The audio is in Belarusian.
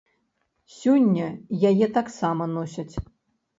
Сёння яе таксама носяць.